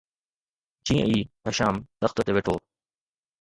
جيئن ئي هشام تخت تي ويٺو